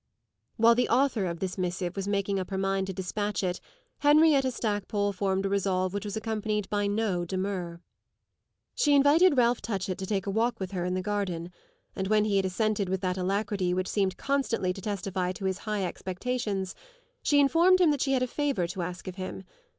While the author of this missive was making up her mind to dispatch it Henrietta Stackpole formed a resolve which was accompanied by no demur. She invited Ralph Touchett to take a walk with her in the garden, and when he had assented with that alacrity which seemed constantly to testify to his high expectations, she informed him that she had a favour to ask of him.